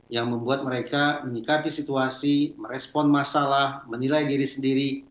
yang membuat mereka menyikapi situasi merespon masalah menilai diri sendiri